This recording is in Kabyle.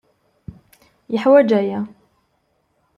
Yeḥwaj aya.